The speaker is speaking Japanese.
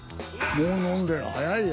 もう飲んでる早いよ。